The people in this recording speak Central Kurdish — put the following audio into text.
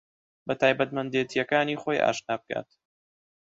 بە تایبەتمەندێتییەکانی خۆی ئاشنا بکات